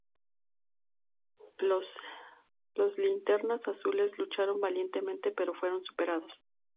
Los Linternas Azules lucharon valientemente, pero fueron superados.